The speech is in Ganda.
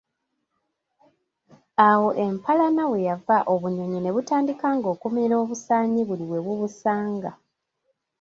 Awo empalana we yava obunyonyi ne butandikanga okumira obusaanyi buli we bubusanga.